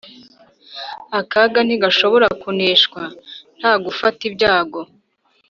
akaga ntigashobora kuneshwa nta gufata ibyago